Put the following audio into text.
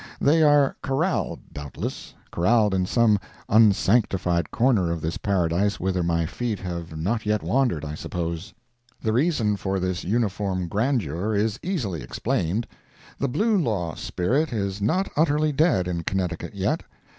They are "corralled," doubtless—corralled in some unsanctified corner of this paradise whither my feet have not yet wandered, I suppose. The reason for this uniform grandeur is easily explained. The Blue Law spirit is not utterly dead in Connecticut yet.